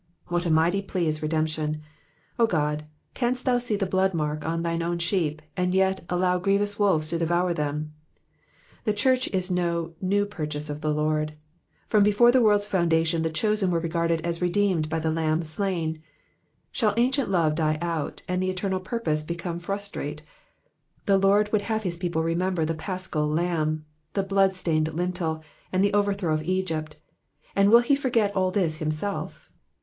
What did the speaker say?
" What a mighty plea is redemption. O God, canst thou see the bloodmark on thine own sheep, and yet allow grievous wolves to devour them ? The church is no new purchase of the Lord ; from before the world's foundation the chosen were regarded as redeemed by the Lamb slain ; shall ancient love die out, and the eternal purpose become frustrate ? The Lord would have his people re member the Paschal Lamb, the bloodstained lintel, and the overthrow of Egypt ; and will he forget all this himself?